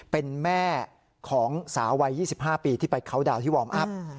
เป็นแม่ของสาววัย๒๕ปีที่ไปเคานดาวนที่วอร์มอัพ